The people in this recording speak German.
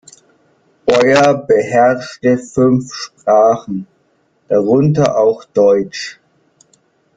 Boyer beherrschte fünf Sprachen, darunter auch Deutsch.